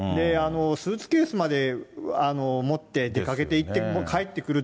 スーツケースまで持って出かけていって、帰ってくる。